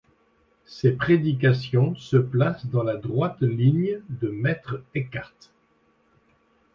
Ses prédications se placent dans la droite ligne de Maître Eckhart.